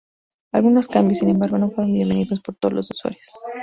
Algunos cambios, sin embargo, no fueron bienvenidos por todos los usuarios.